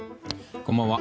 こんばんは。